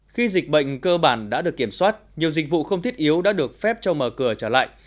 khi dịch bệnh cơ bản đã được kiểm soát nhiều dịch vụ không thiết yếu đã được phép cho mở cửa trở lại